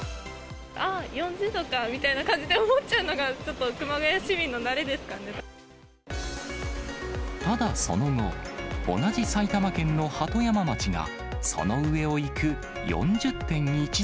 ああ、４０度かみたいな感じで思っちゃうのがちょっと熊谷市民の慣れでただ、その後、同じ埼玉県の鳩山町が、その上を行く４０．１度に。